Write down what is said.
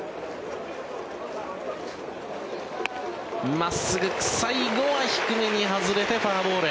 真っすぐ、最後は低めに外れてフォアボール。